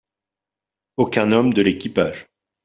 Aucun homme de l'équipage.